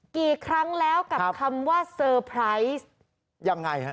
อ่ะกี่ครั้งแล้วกับคำว่ายังไงฮะ